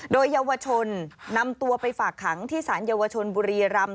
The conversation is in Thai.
โดยเยาวชนนำตัวไปฝากขังที่สารเยาวชนบุรีรำ